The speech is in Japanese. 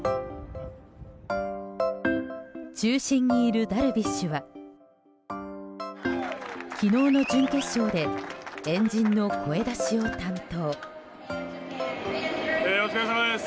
中心にいるダルビッシュは昨日の準決勝で円陣の声出しを担当。